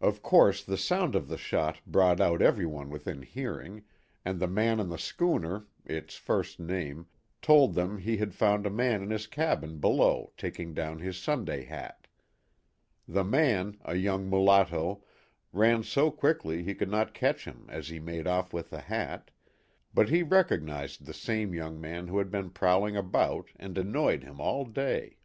Of course the sound of the shot brought out every one within hearing, and the man on the schooner its first mate told them he had found a man in his cabin below taking down his Sunday hat ; the man, a young mulatto, ran so quickly he could not catch him as he made off with the hat, but he recognized the same young man who had been prowling about and annoying him all day.